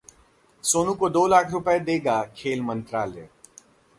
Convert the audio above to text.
सोनू को दो लाख रुपये देगा खेल मंत्रालय